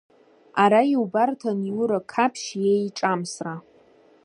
Ара иубарҭан Иура Қаԥшь иеиҿамсра.